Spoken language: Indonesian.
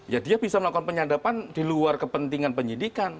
ya dia bisa melakukan penyadapan di luar kepentingan penyidikan